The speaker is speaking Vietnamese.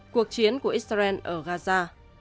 cuộc chiến của israel ở gaza